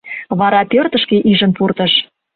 Вара пӧртышкӧ ӱжын пуртыш.